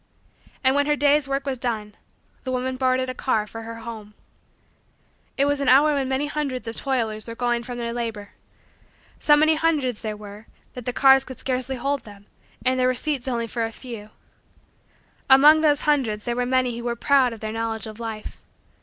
And, when her day's work was done, the woman boarded a car for her home. It was an hour when many hundreds of toilers were going from their labor. So many hundreds there were that the cars could scarcely hold them and there were seats for only a few. Among those hundreds there were many who were proud of their knowledge of life.